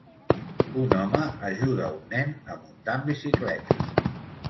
Un home ajuda un nen a muntar en bicicleta.